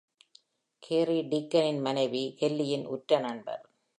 Carry டீக்கனின் மனைவி கெல்லியின் உற்ற நண்பர்.